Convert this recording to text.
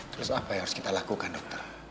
terus apa yang harus kita lakukan dokter